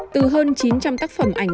từ hơn chín trăm linh tác phẩm ảnh